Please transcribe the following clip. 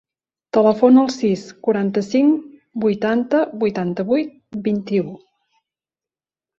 Telefona al sis, quaranta-cinc, vuitanta, vuitanta-vuit, vint-i-u.